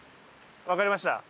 わかりました。